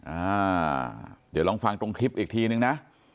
อ่าเดี๋ยวลองฟังตรงคลิปอีกทีนึงนะ